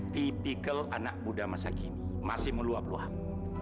tipikal anak muda masa kini masih meluap luap